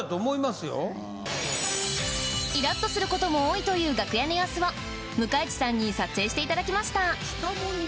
とすることも多いという楽屋の様子を向井地さんに撮影していただきました